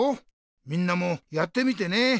みんなもやってみてね。